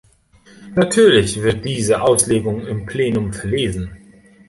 Natürlich wird diese Auslegung im Plenum verlesen.